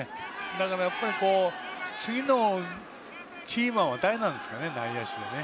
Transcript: だから、次のキーマンは誰なんですかね、内野手は。